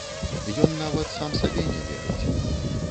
Ён нават сам сабе не верыць.